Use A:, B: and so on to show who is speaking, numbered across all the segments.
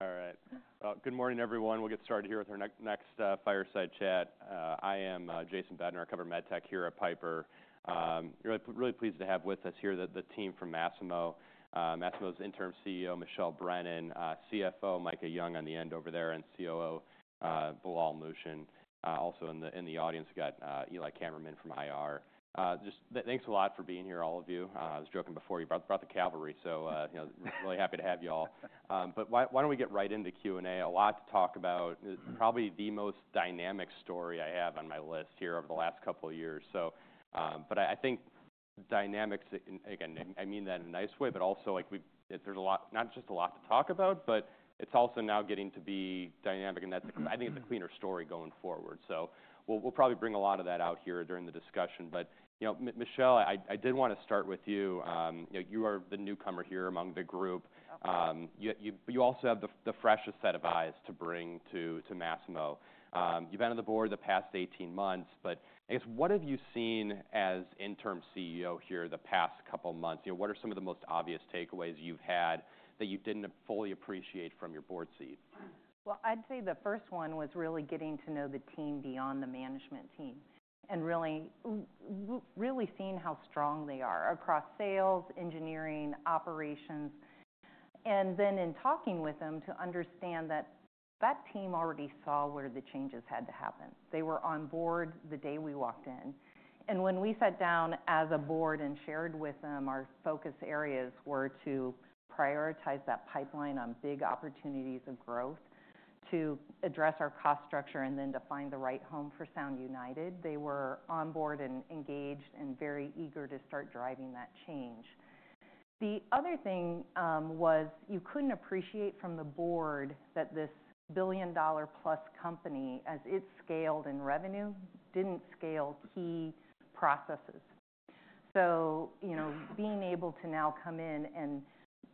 A: All right. Well, good morning, everyone. We'll get started here with our next fireside chat. I am Jason Bednar. I cover med tech here at Piper. Really, really pleased to have with us here the team from Masimo. Masimo's interim CEO, Michelle Brennan, CFO, Micah Young on the end over there, and COO, Bilal Muhsin, also in the audience. We got Eli Kammerman from IR. Just thanks a lot for being here, all of you. I was joking before you brought the cavalry, so, you know, really happy to have you all. But why don't we get right into Q&A? A lot to talk about. It's probably the most dynamic story I have on my list here over the last couple of years. So, but I think dynamics are again. I mean that in a nice way, but also, like, there's a lot, not just a lot to talk about, but it's also now getting to be dynamic, and that's, I think, a cleaner story going forward. So we'll probably bring a lot of that out here during the discussion. But, you know, Michelle, I did want to start with you. You know, you are the newcomer here among the group.
B: Okay.
A: You but you also have the freshest set of eyes to bring to Masimo. You've been on the board the past 18 months, but I guess, what have you seen as Interim CEO here the past couple of months? You know, what are some of the most obvious takeaways you've had that you didn't fully appreciate from your board seat?
B: I'd say the first one was really getting to know the team beyond the management team and really seeing how strong they are across sales, engineering, operations. And then in talking with them to understand that that team already saw where the changes had to happen. They were on board the day we walked in. And when we sat down as a board and shared with them, our focus areas were to prioritize that pipeline on big opportunities of growth, to address our cost structure, and then to find the right home for Sound United. They were on board and engaged and very eager to start driving that change. The other thing was you couldn't appreciate from the board that this billion-dollar-plus company, as it scaled in revenue, didn't scale key processes. So, you know, being able to now come in and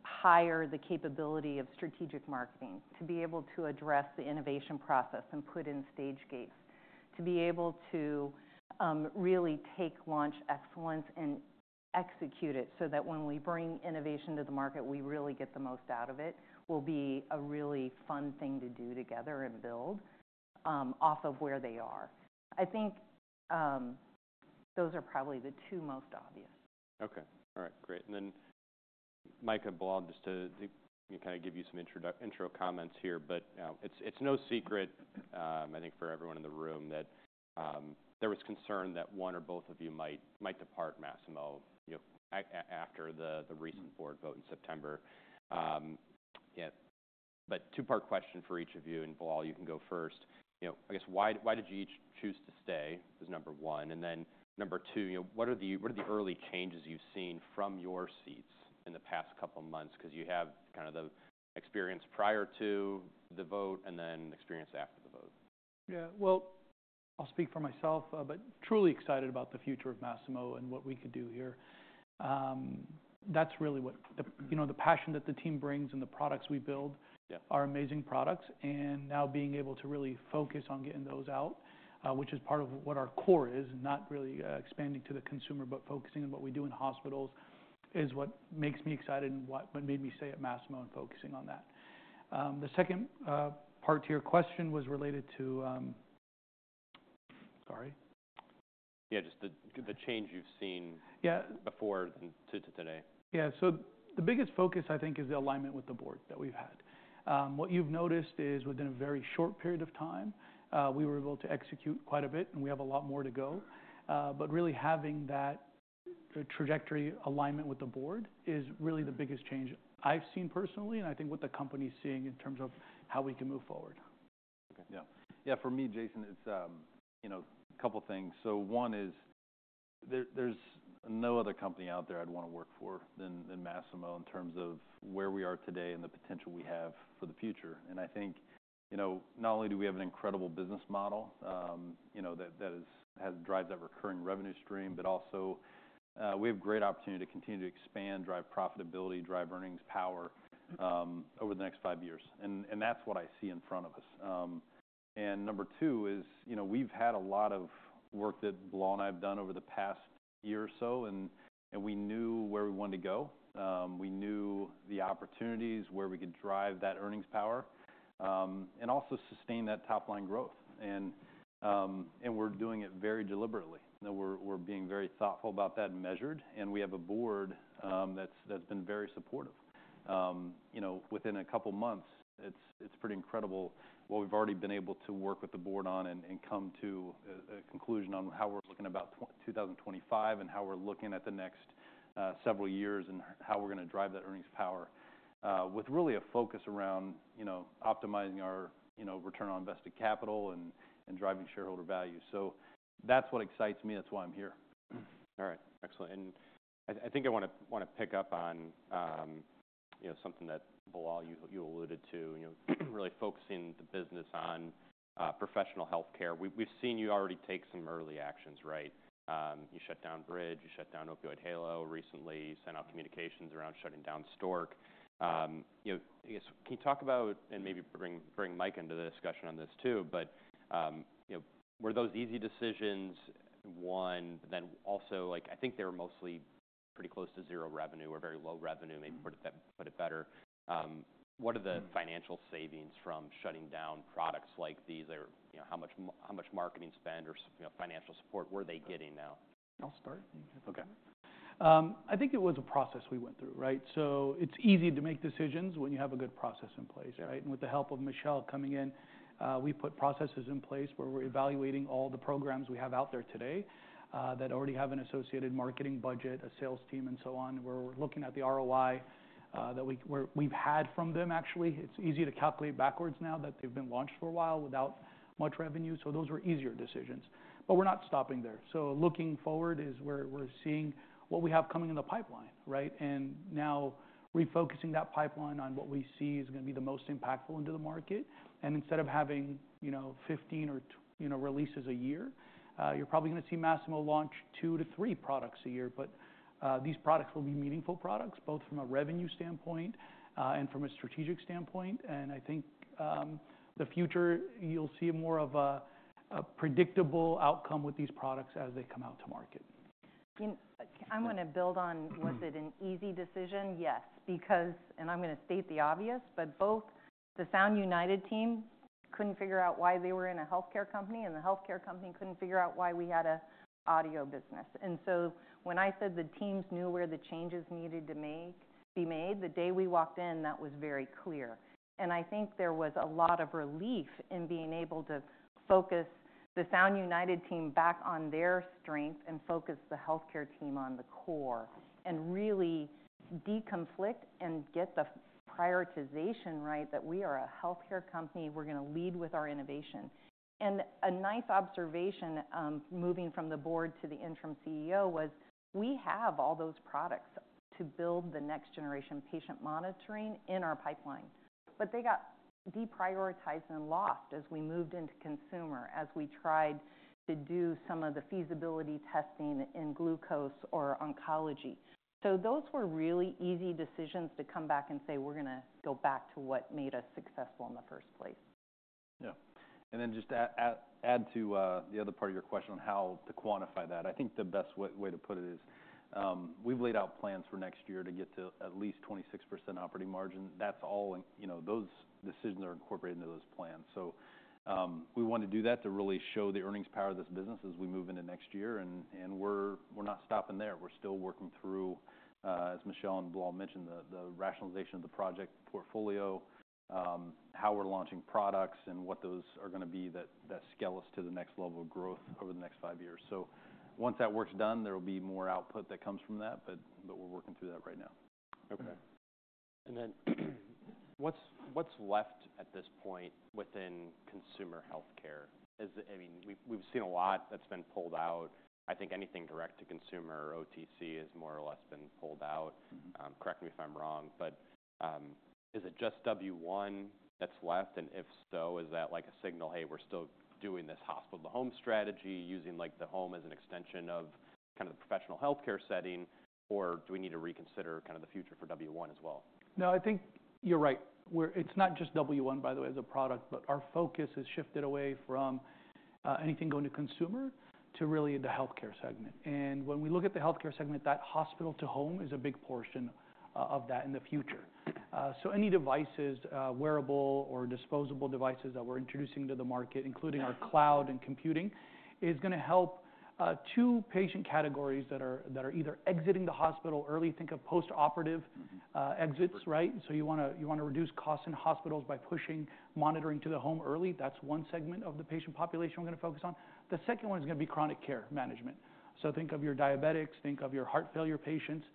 B: hire the capability of strategic marketing to be able to address the innovation process and put in stage gates, to be able to really take launch excellence and execute it so that when we bring innovation to the market, we really get the most out of it, will be a really fun thing to do together and build off of where they are. I think those are probably the two most obvious.
A: Okay. All right. Great. And then Micah and Bilal, just to you know kinda give you some intro comments here. But it's no secret, I think, for everyone in the room that there was concern that one or both of you might depart Masimo, you know, after the recent board vote in September. Yeah. But two-part question for each of you, and Bilal, you can go first. You know, I guess, why did you each choose to stay is number one. And then number two, you know, what are the early changes you've seen from your seats in the past couple of months? 'Cause you have kinda the experience prior to the vote and then experience after the vote.
C: Yeah. Well, I'll speak for myself, but truly excited about the future of Masimo and what we could do here. That's really what the, you know, the passion that the team brings and the products we build.
A: Yeah.
C: Our amazing products. And now being able to really focus on getting those out, which is part of what our core is, not really expanding to the consumer, but focusing on what we do in hospitals is what makes me excited and what made me stay at Masimo and focusing on that. The second part to your question was related to, sorry.
A: Yeah. Just the change you've seen.
C: Yeah.
A: Before that to today.
C: Yeah. So the biggest focus, I think, is the alignment with the board that we've had. What you've noticed is within a very short period of time, we were able to execute quite a bit, and we have a lot more to go. But really having that trajectory alignment with the board is really the biggest change I've seen personally, and I think what the company's seeing in terms of how we can move forward.
A: Okay.
D: Yeah. Yeah. For me, Jason, it's, you know, a couple of things. So one is there, there's no other company out there I'd wanna work for than Masimo in terms of where we are today and the potential we have for the future. I think, you know, not only do we have an incredible business model, you know, that has drives that recurring revenue stream, but also we have great opportunity to continue to expand, drive profitability, drive earnings power over the next five years. That's what I see in front of us. Number two is, you know, we've had a lot of work that Bilal and I have done over the past year or so, and we knew where we wanted to go. We knew the opportunities where we could drive that earnings power, and also sustain that top-line growth. We're doing it very deliberately. You know, we're being very thoughtful about that and measured. We have a board that's been very supportive. You know, within a couple of months, it's pretty incredible what we've already been able to work with the board on and come to a conclusion on how we're looking about 2025 and how we're looking at the next several years and how we're gonna drive that earnings power, with really a focus around, you know, optimizing our, you know, return on invested capital and driving shareholder value. So that's what excites me. That's why I'm here.
A: All right. Excellent. And I think I wanna pick up on, you know, something that Bilal, you alluded to, you know, really focusing the business on professional healthcare. We've seen you already take some early actions, right? You shut down Bridge. You shut down Opioid Halo recently. You sent out communications around shutting down Stork. You know, I guess, can you talk about and maybe bring Micah into the discussion on this too, but, you know, were those easy decisions? One, but then also, like, I think they were mostly pretty close to zero revenue or very low revenue, maybe put it better. What are the financial savings from shutting down products like these? Or, you know, how much marketing spend or financial support were they getting now?
C: I'll start.
A: Okay.
C: I think it was a process we went through, right, so it's easy to make decisions when you have a good process in place, right?
A: Yeah.
C: And with the help of Michelle coming in, we put processes in place where we're evaluating all the programs we have out there today, that already have an associated marketing budget, a sales team, and so on, where we're looking at the ROI that we've had from them. Actually, it's easy to calculate backwards now that they've been launched for a while without much revenue. So those were easier decisions. But we're not stopping there. Looking forward, we're seeing what we have coming in the pipeline, right? And now refocusing that pipeline on what we see is gonna be the most impactful into the market. And instead of having, you know, 15 or twenty you know, releases a year, you're probably gonna see Masimo launch two to three products a year. But these products will be meaningful products both from a revenue standpoint and from a strategic standpoint, and I think in the future you'll see more of a predictable outcome with these products as they come out to market.
B: I'm gonna build on.
A: Yeah.
B: Was it an easy decision? Yes. Because and I'm gonna state the obvious, but both the Sound United team couldn't figure out why they were in a healthcare company, and the healthcare company couldn't figure out why we had a audio business. And so when I said the teams knew where the changes needed to be made, the day we walked in, that was very clear. And I think there was a lot of relief in being able to focus the Sound United team back on their strength and focus the healthcare team on the core and really deconflict and get the prioritization right that we are a healthcare company. We're gonna lead with our innovation. A nice observation, moving from the board to the Interim CEO, was we have all those products to build the next-generation patient monitoring in our pipeline, but they got deprioritized and lost as we moved into consumer, as we tried to do some of the feasibility testing in glucose or oncology. Those were really easy decisions to come back and say, "We're gonna go back to what made us successful in the first place.
D: Yeah. And then just add to the other part of your question on how to quantify that. I think the best way to put it is, we've laid out plans for next year to get to at least 26% operating margin. That's all in, you know, those decisions are incorporated into those plans. So, we wanna do that to really show the earnings power of this business as we move into next year. And we're not stopping there. We're still working through, as Michelle and Bilal mentioned, the rationalization of the project portfolio, how we're launching products, and what those are gonna be that scale us to the next level of growth over the next five years. So once that work's done, there'll be more output that comes from that, but we're working through that right now.
A: Okay. And then what's left at this point within consumer healthcare? Is it? I mean, we've seen a lot that's been pulled out. I think anything direct to consumer or OTC has more or less been pulled out.
C: Mm-hmm.
A: Correct me if I'm wrong, but is it just W1 that's left? And if so, is that, like, a signal, "Hey, we're still doing this hospital-to-home strategy, using, like, the home as an extension of kinda the professional healthcare setting," or do we need to reconsider kinda the future for W1 as well?
C: No, I think you're right. Well, it's not just W1, by the way, as a product, but our focus has shifted away from anything going to consumer to really the healthcare segment. And when we look at the healthcare segment, that hospital-to-home is a big portion of that in the future. So any devices, wearable or disposable devices that we're introducing to the market, including our cloud and computing, is gonna help two patient categories that are either exiting the hospital early. Think of post-operative.
A: Mm-hmm.
C: exits, right?
A: Mm-hmm.
C: So you wanna reduce costs in hospitals by pushing monitoring to the home early. That's one segment of the patient population we're gonna focus on. The second one is gonna be chronic care management. So think of your diabetics. Think of your heart failure patients.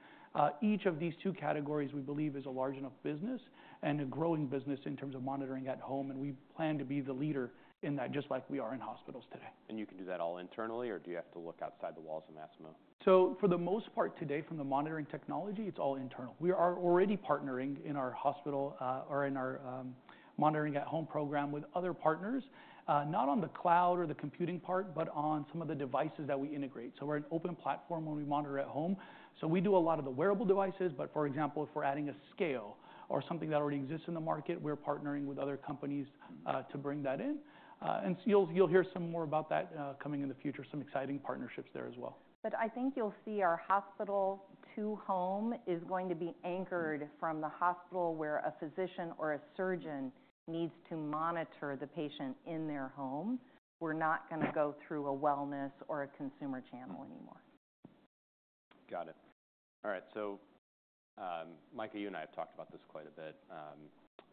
C: Each of these two categories we believe is a large enough business and a growing business in terms of monitoring at home. And we plan to be the leader in that just like we are in hospitals today.
A: You can do that all internally, or do you have to look outside the walls of Masimo?
C: So for the most part today, from the monitoring technology, it's all internal. We are already partnering in our hospital, or in our, monitoring at home program with other partners, not on the cloud or the computing part, but on some of the devices that we integrate. So we're an open platform when we monitor at home. So we do a lot of the wearable devices. But for example, if we're adding a scale or something that already exists in the market, we're partnering with other companies, to bring that in. And you'll hear some more about that, coming in the future, some exciting partnerships there as well.
B: But I think you'll see our hospital-to-home is going to be anchored from the hospital where a physician or a surgeon needs to monitor the patient in their home. We're not gonna go through a wellness or a consumer channel anymore.
A: Got it. All right. So, Micah, you and I have talked about this quite a bit.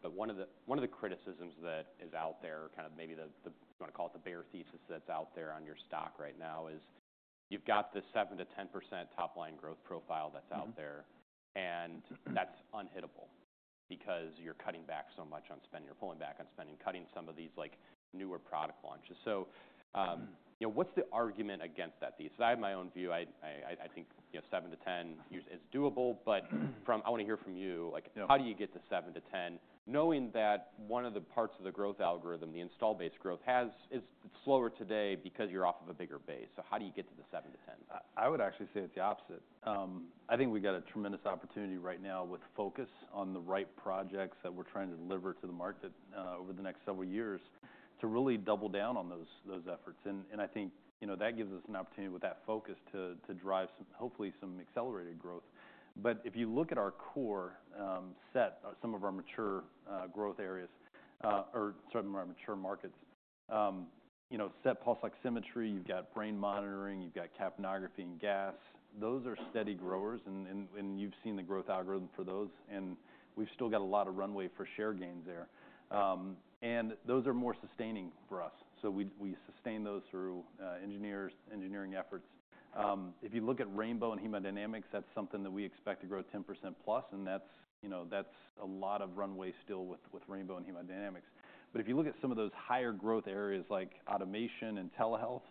A: But one of the criticisms that is out there, kinda maybe the you wanna call it the bare thesis that's out there on your stock right now is you've got the 7%-10% top-line growth profile that's out there.
C: Mm-hmm.
A: And that's unhittable because you're cutting back so much on spending. You're pulling back on spending, cutting some of these, like, newer product launches. So,
C: Mm-hmm.
A: You know, what's the argument against that thesis? I have my own view. I think, you know, seven to 10 years is doable, but first I wanna hear from you, like.
C: Yeah.
A: How do you get to 7-10 knowing that one of the parts of the growth algorithm, the installed-base growth, is it's slower today because you're off of a bigger base? So how do you get to the 7-10?
D: I would actually say it's the opposite. I think we got a tremendous opportunity right now with focus on the right projects that we're trying to deliver to the market, over the next several years to really double down on those efforts. And I think, you know, that gives us an opportunity with that focus to drive some, hopefully, some accelerated growth. But if you look at our core SET, some of our mature growth areas, or some of our mature markets, you know, SET pulse oximetry, you've got brain monitoring, you've got capnography and gas. Those are steady growers. And you've seen the growth algorithm for those. And we've still got a lot of runway for share gains there. And those are more sustaining for us. So we sustain those through engineering efforts. If you look at Rainbow and hemodynamics, that's something that we expect to grow 10%+. And that's, you know, that's a lot of runway still with rainbow and hemodynamics. But if you look at some of those higher growth areas like automation and telehealth,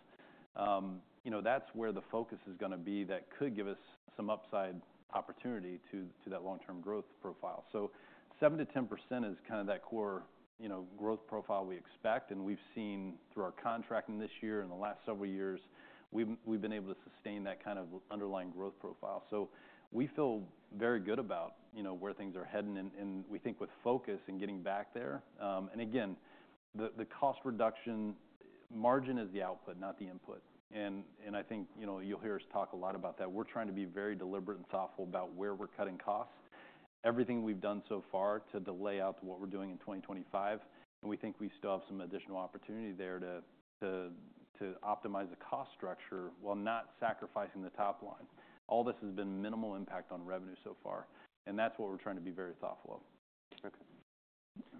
D: you know, that's where the focus is gonna be that could give us some upside opportunity to that long-term growth profile. So 7%-10% is kinda that core, you know, growth profile we expect. And we've seen through our contracting this year and the last several years, we've been able to sustain that kind of underlying growth profile. So we feel very good about, you know, where things are heading. And we think with focus and getting back there, and again, the cost reduction margin is the output, not the input. I think, you know, you'll hear us talk a lot about that. We're trying to be very deliberate and thoughtful about where we're cutting costs, everything we've done so far to date out to what we're doing in 2025. We think we still have some additional opportunity there to optimize the cost structure while not sacrificing the top line. All this has been minimal impact on revenue so far. That's what we're trying to be very thoughtful of.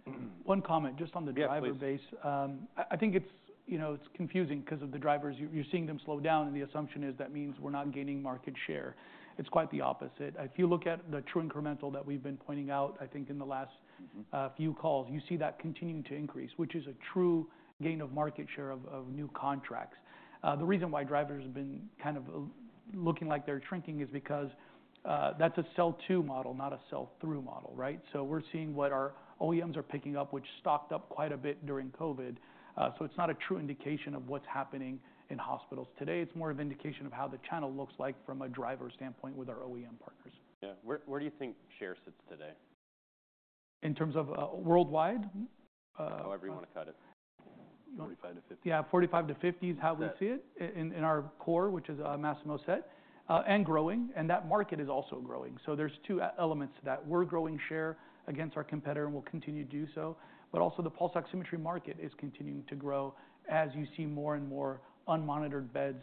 A: Okay.
C: One comment just on the driver base.
A: Yeah.
C: I think it's, you know, it's confusing 'cause of the drivers. You're seeing them slow down, and the assumption is that means we're not gaining market share. It's quite the opposite. If you look at the true incremental that we've been pointing out, I think in the last.
A: Mm-hmm.
C: few calls, you see that continuing to increase, which is a true gain of market share of new contracts. The reason why drivers have been kind of looking like they're shrinking is because that's a sell-to model, not a sell-through model, right? So we're seeing what our OEMs are picking up, which stocked up quite a bit during COVID. So it's not a true indication of what's happening in hospitals today. It's more of an indication of how the channel looks like from a driver standpoint with our OEM partners.
A: Yeah. Where, where do you think share sits today?
C: In terms of, worldwide?
A: However you wanna cut it.
C: You know.
A: 45 to 50.
C: Yeah. 45 to 50 is how we see it.
A: Yeah.
C: In our core, which is Masimo SET and growing. And that market is also growing. So there's two elements to that. We're growing share against our competitor, and we'll continue to do so. But also, the pulse oximetry market is continuing to grow as you see more and more unmonitored beds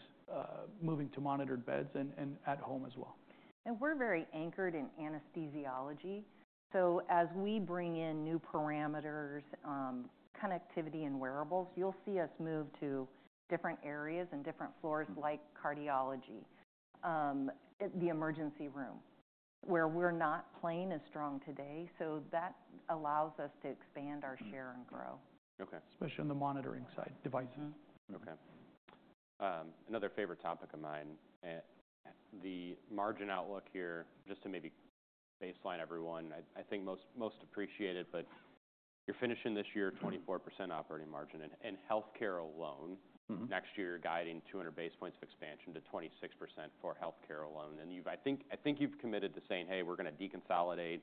C: moving to monitored beds and at home as well.
B: And we're very anchored in anesthesiology. So as we bring in new parameters, connectivity and wearables, you'll see us move to different areas and different floors like cardiology, the emergency room where we're not playing as strong today. So that allows us to expand our share and grow.
A: Okay.
C: Especially on the monitoring side, devices.
A: Mm-hmm. Okay. Another favorite topic of mine, the margin outlook here, just to maybe baseline everyone. I think most appreciate it, but you're finishing this year 24% operating margin. And healthcare alone.
C: Mm-hmm.
A: Next year, you're guiding 200 basis points of expansion to 26% for healthcare alone. And you've, I think, committed to saying, "Hey, we're gonna deconsolidate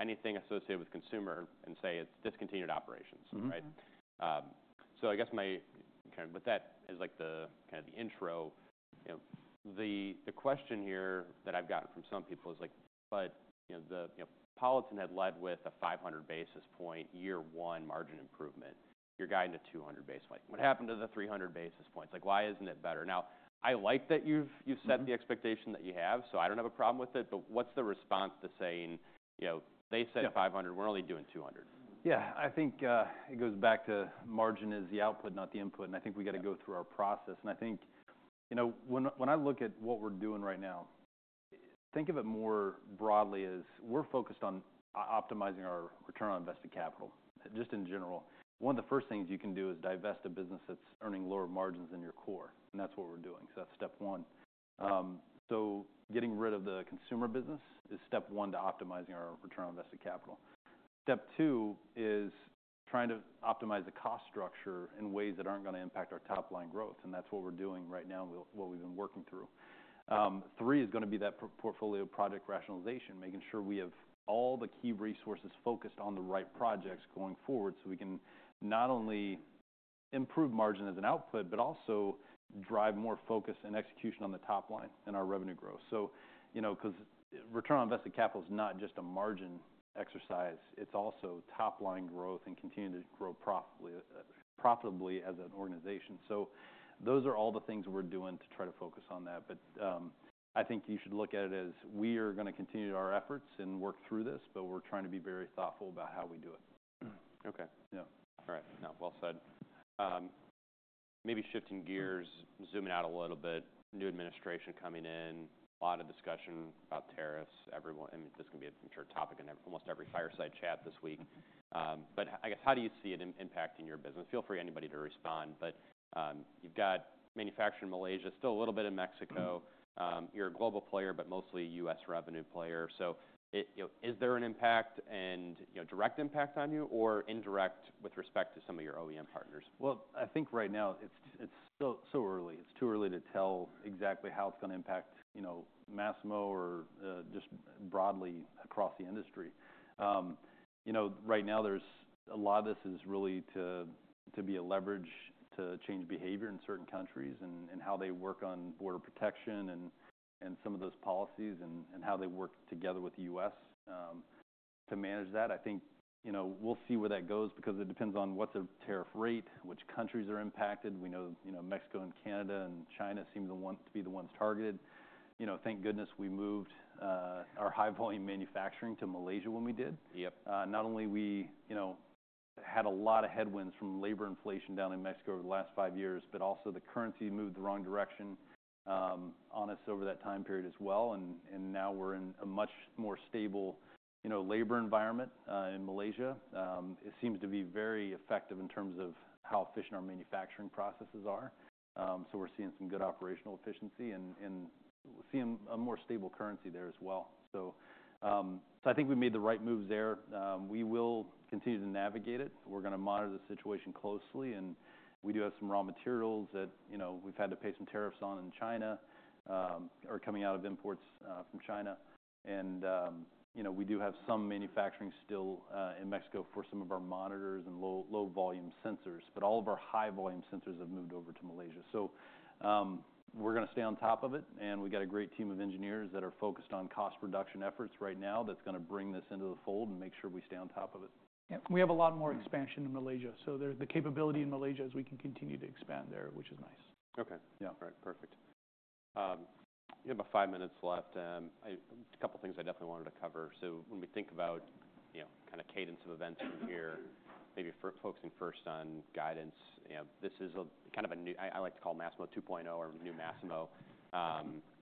A: anything associated with consumer and say it's discontinued operations.
C: Mm-hmm.
A: Right?
C: Mm-hmm.
A: I guess my kind of with that is, like, the kind of intro, you know, the question here that I've gotten from some people is, like, "But, you know, the, you know, Politan had led with a 500 basis points year one margin improvement. You're guiding to 200 basis points. What happened to the 300 basis points? Like, why isn't it better?" Now, I like that you've set the expectation that you have, so I don't have a problem with it. But what's the response to saying, you know, "They said.
D: Yeah.
A: 500. We're only doing 200?
D: Yeah. I think it goes back to margin is the output, not the input. And I think we gotta go through our process. And I think, you know, when I look at what we're doing right now, think of it more broadly as we're focused on optimizing our return on invested capital. Just in general, one of the first things you can do is divest a business that's earning lower margins than your core. And that's what we're doing. So that's step one. So getting rid of the consumer business is step one to optimizing our return on invested capital. Step two is trying to optimize the cost structure in ways that aren't gonna impact our top-line growth. And that's what we're doing right now and what we've been working through. Three is gonna be that portfolio project rationalization, making sure we have all the key resources focused on the right projects going forward so we can not only improve margin as an output but also drive more focus and execution on the top line and our revenue growth. So, you know, 'cause return on invested capital's not just a margin exercise. It's also top-line growth and continuing to grow profitably as an organization. So those are all the things we're doing to try to focus on that. But, I think you should look at it as we are gonna continue our efforts and work through this, but we're trying to be very thoughtful about how we do it.
A: Okay.
D: Yeah.
A: All right. No, well said. Maybe shifting gears, zooming out a little bit. New administration coming in, a lot of discussion about tariffs. Everyone, I mean, this is gonna be a major topic in almost every fireside chat this week. But I guess, how do you see it impacting your business? Feel free, anybody, to respond. But you've got manufacturing in Malaysia, still a little bit in Mexico. You're a global player but mostly U.S. revenue player. So it, you know, is there an impact and, you know, direct impact on you or indirect with respect to some of your OEM partners?
D: I think right now it's still so early. It's too early to tell exactly how it's gonna impact, you know, Masimo or just broadly across the industry. You know, right now, there's a lot of this is really to be a leverage to change behavior in certain countries and how they work on border protection and some of those policies and how they work together with the U.S. to manage that. I think, you know, we'll see where that goes because it depends on what's the tariff rate, which countries are impacted. We know, you know, Mexico and Canada and China seem to want to be the ones targeted. You know, thank goodness we moved our high-volume manufacturing to Malaysia when we did.
A: Yep.
D: Not only we, you know, had a lot of headwinds from labor inflation down in Mexico over the last five years, but also the currency moved the wrong direction on us over that time period as well. Now we're in a much more stable, you know, labor environment in Malaysia. It seems to be very effective in terms of how efficient our manufacturing processes are, so we're seeing some good operational efficiency and seeing a more stable currency there as well. I think we made the right moves there. We will continue to navigate it. We're gonna monitor the situation closely, and we do have some raw materials that, you know, we've had to pay some tariffs on in China or coming out of imports from China. And, you know, we do have some manufacturing still in Mexico for some of our monitors and low-volume sensors. But all of our high-volume sensors have moved over to Malaysia. So, we're gonna stay on top of it. And we got a great team of engineers that are focused on cost reduction efforts right now that's gonna bring this into the fold and make sure we stay on top of it.
C: Yeah. We have a lot more expansion in Malaysia, so there the capability in Malaysia is we can continue to expand there, which is nice.
A: Okay.
D: Yeah.
A: All right. Perfect. You have about five minutes left. I have a couple things I definitely wanted to cover. So when we think about, you know, kind of cadence of events from here, maybe focusing first on guidance, you know, this is kind of a new, I like to call Masimo 2.0 or new Masimo,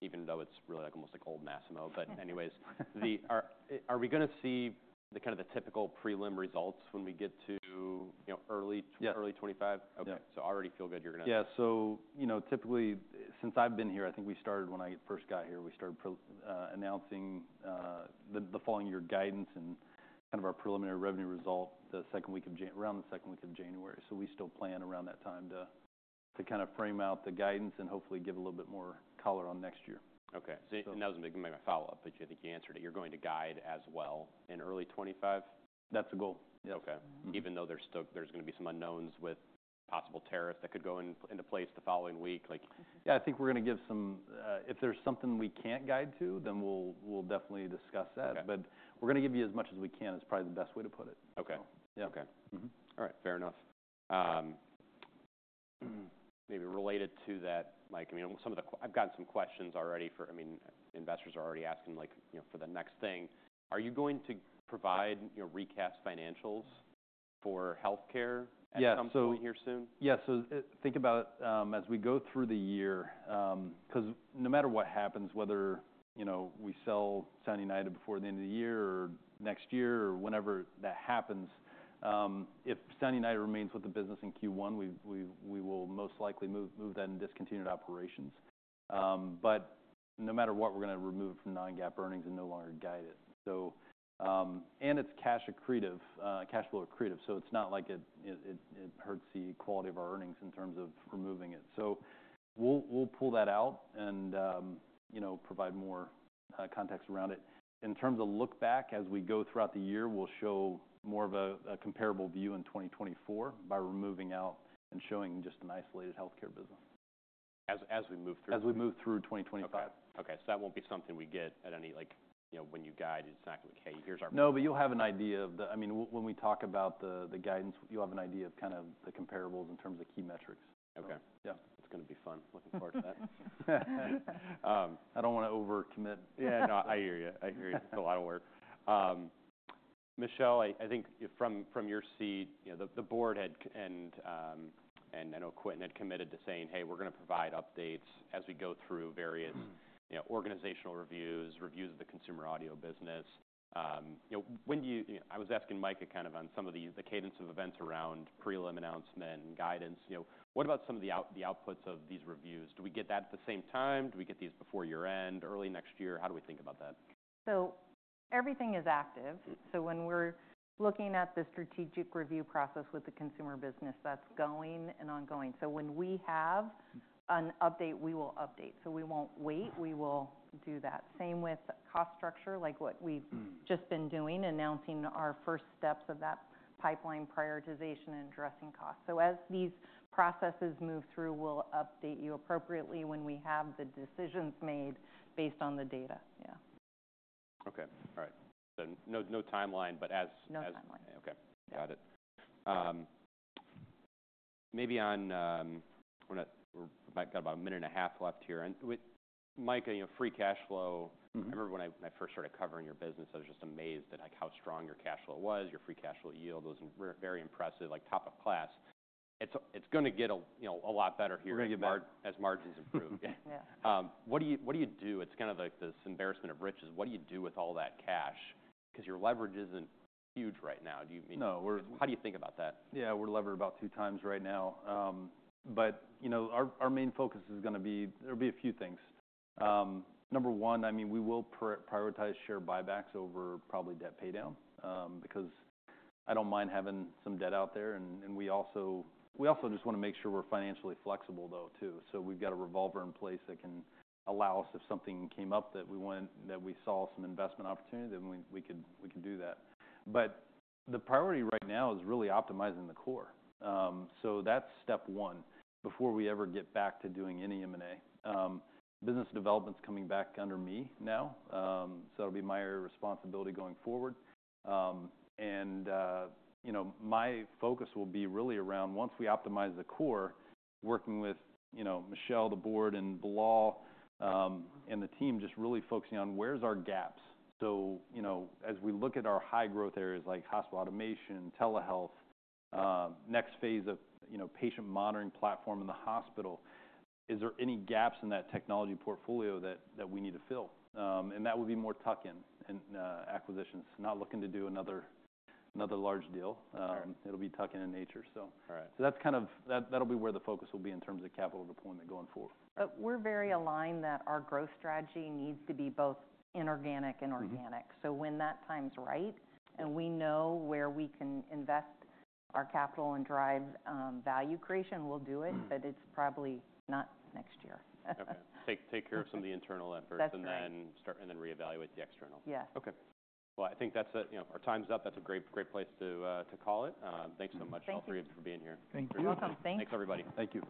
A: even though it's really like almost like old Masimo. But anyways, there, are we gonna see the kind of the typical prelim results when we get to, you know, early.
D: Yeah.
A: Early '25?
C: Yeah.
A: Okay, so I already feel good you're gonna.
D: Yeah. So, you know, typically, since I've been here, I think we started when I first got here, we started PR announcing the following year guidance and kind of our preliminary revenue result the second week of January around the second week of January. So we still plan around that time to kinda frame out the guidance and hopefully give a little bit more color on next year.
A: Okay. So, and that was maybe my follow-up, but you think you answered it. You're going to guide as well in early 2025?
D: That's the goal. Yes.
A: Okay.
D: Mm-hmm.
A: Even though there's still gonna be some unknowns with possible tariffs that could go into place the following week, like.
D: Yeah. I think we're gonna give some if there's something we can't guide to, then we'll, we'll definitely discuss that.
A: Yeah.
D: But we're gonna give you as much as we can, is probably the best way to put it.
A: Okay.
D: So.
A: Okay.
D: Mm-hmm.
A: All right. Fair enough. Maybe related to that, Micah. I mean, I've gotten some questions already. I mean, investors are already asking, like, you know, for the next thing. Are you going to provide, you know, recaps financials for healthcare at some.
D: Yeah. So.
A: Point here soon?
D: Yeah. So think about, as we go through the year, 'cause no matter what happens, whether, you know, we sell Sound United before the end of the year or next year or whenever that happens, if Sound United remains with the business in Q1, we will most likely move that into discontinued operations. But no matter what, we're gonna remove it from non-GAAP earnings and no longer guide it. So, and it's cash accretive, cash flow accretive. So it's not like it hurts the quality of our earnings in terms of removing it. So we'll pull that out and, you know, provide more context around it. In terms of look-back, as we go throughout the year, we'll show more of a comparable view in 2024 by removing out and showing just an isolated healthcare business.
A: As we move through.
D: As we move through 2025.
A: Okay. So that won't be something we get at any, like, you know, when you guide. It's not gonna be, "Hey, here's our.
D: No. But you'll have an idea of the, I mean, when we talk about the guidance, you'll have an idea of kinda the comparables in terms of key metrics.
A: Okay.
D: Yeah.
A: It's gonna be fun. Looking forward to that.
D: I don't wanna overcommit.
A: Yeah. No. I hear you. I hear you. It's a lot of work. Michelle, I think from your seat, you know, the board had seen and, and I know Quentin had committed to saying, "Hey, we're gonna provide updates as we go through various.
B: Mm-hmm.
A: You know, organizational reviews, reviews of the consumer audio business. You know, when do you know, I was asking Micah a kind of on some of the, the cadence of events around prelim announcement and guidance. You know, what about some of the outputs of these reviews? Do we get that at the same time? Do we get these before year-end, early next year? How do we think about that?
B: Everything is active.
A: Mm-hmm.
B: So when we're looking at the strategic review process with the consumer business, that's going and ongoing. So when we have an update, we will update. So we won't wait. We will do that. Same with cost structure, like what we've.
A: Mm-hmm.
B: Just been doing announcing our first steps of that pipeline prioritization and addressing costs. So as these processes move through, we'll update you appropriately when we have the decisions made based on the data. Yeah.
A: Okay. All right. So no timeline, but as.
B: No timeline.
A: Okay. Got it. Moving on, we've got about a minute and a half left here. And, Micah, you know, free cash flow.
D: Mm-hmm.
A: I remember when I first started covering your business, I was just amazed at, like, how strong your cash flow was. Your free cash flow yield was very impressive, like top of class. It's gonna get a, you know, a lot better here.
D: We're gonna get better.
A: As margins improve.
B: Yeah.
D: Yeah.
A: What do you do? It's kinda like this embarrassment of riches. What do you do with all that cash? 'Cause your leverage isn't huge right now. Do you mean?
D: No. We're.
A: How do you think about that?
D: Yeah. We're levered about two times right now. But you know, our main focus is gonna be there'll be a few things. Number one, I mean, we will prioritize share buybacks over probably debt paydown, because I don't mind having some debt out there. We also just wanna make sure we're financially flexible though too. We've got a revolver in place that can allow us if something came up that we wanted, that we saw some investment opportunity, then we could do that. The priority right now is really optimizing the core. That's step one before we ever get back to doing any M&A. Business development's coming back under me now. It'll be my responsibility going forward. And, you know, my focus will be really around once we optimize the core, working with, you know, Michelle, the board, and Bilal, and the team just really focusing on where's our gaps. So, you know, as we look at our high-growth areas like hospital automation, telehealth, next phase of, you know, patient monitoring platform in the hospital, is there any gaps in that technology portfolio that we need to fill? And that will be more tuck-in and acquisitions. Not looking to do another large deal.
A: Okay.
D: It'll be tuck-in in nature, so.
A: All right.
D: That's kind of that'll be where the focus will be in terms of capital deployment going forward.
B: We're very aligned that our growth strategy needs to be both inorganic and organic.
A: Mm-hmm.
B: So when that time's right and we know where we can invest our capital and drive value creation, we'll do it.
A: Mm-hmm.
B: But it's probably not next year.
A: Okay. Take care of some of the internal efforts.
B: That's right.
A: And then start, and then reevaluate the external.
B: Yes.
D: Okay.
A: I think that's, you know, our time's up. That's a great, great place to call it. Thanks so much.
B: Thank you.
A: All three of you for being here.
C: Thank you.
B: You're welcome. Thanks.
A: Thanks, everybody.
D: Thank you.